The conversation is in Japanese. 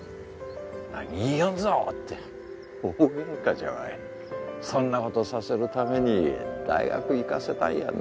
何言いよんぞ！って大ゲンカじゃわいそんなことさせるために大学行かせたんやな